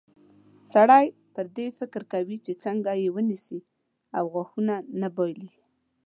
سړی پر دې فکر کوي چې څنګه یې ونیسي او غاښونه نه بایلي.